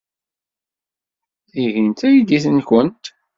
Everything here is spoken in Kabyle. Tihin d taydit-nwent?